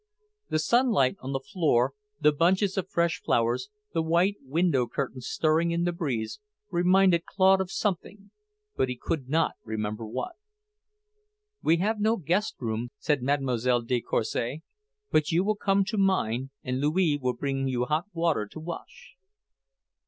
The sunlight on the floor, the bunches of fresh flowers, the white window curtains stirring in the breeze, reminded Claude of something, but he could not remember what. "We have no guest room," said Mlle. de Courcy. "But you will come to mine, and Louis will bring you hot water to wash."